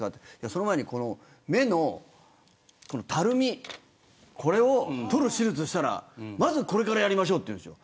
その前に、この目のたるみこれを取る手術をしたらまずこれからやりましょうと。